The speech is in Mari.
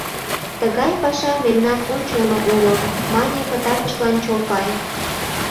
— Тыгай паша мемнан ончылно уло, — мане пытартышлан Чолпаев.